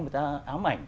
người ta ám ảnh